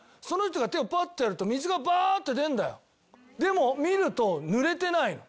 でも見ると濡れてないの。